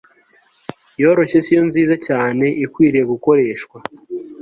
yoroshye siyo nziza cyane ikwiriye gukoreshwa